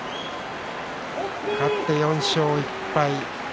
勝って４勝１敗。